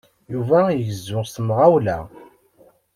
Yuba igezzu s temɣawla.